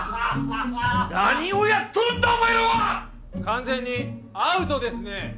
完全にアウトですね！